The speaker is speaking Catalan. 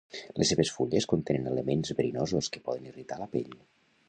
Les seves fulles contenen elements verinosos que poden irritar la pell.